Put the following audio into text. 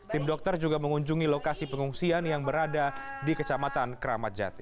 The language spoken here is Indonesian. tim dokter juga mengunjungi lokasi pengungsian yang berada di kecamatan keramat jati